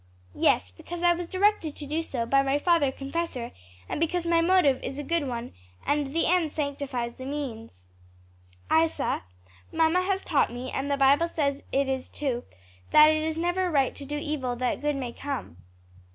"Yes; because I was directed to do so by my father confessor, and because my motive is a good one, and 'the end sanctifies the means.'" "Isa, mamma has taught me, and the Bible says it too, that it is never right to do evil that good may come."